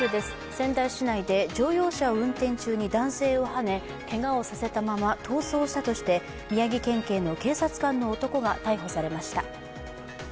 仙台市内で乗用車を運転中に男性をはね、けがをさせたまま逃走したとして、宮城県警の警察官の男が逮捕されました。